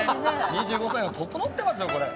２５歳がととのってますよこれ。